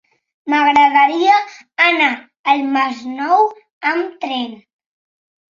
M'agradaria anar al Masnou amb tren.